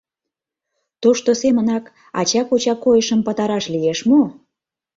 Тошто семынак, ача-коча койышым пытараш лиеш мо?